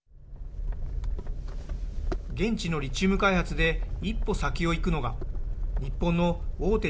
現地のリチウム開発で一歩先をいくのが日本の大手